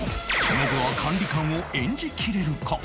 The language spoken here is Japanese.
ノブは管理官を演じきれるか？